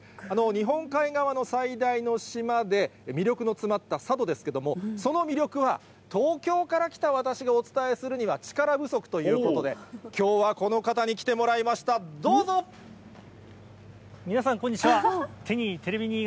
日本海側の最大の島で、魅力の詰まった佐渡ですけれども、その魅力は東京から来た私がお伝えするには力不足ということで、きょうはこの方に来てもらいまし皆さん、こんにちは。